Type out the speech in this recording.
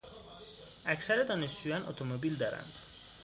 اکثر دانشجویان اتومبیل دارند.